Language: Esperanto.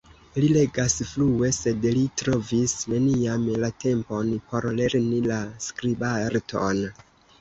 Li legas flue; sed li trovis neniam la tempon por lerni la skribarton.